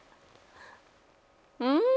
うん！